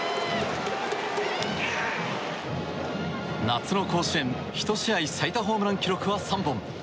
夏の甲子園、１試合最多ホームラン記録は３本。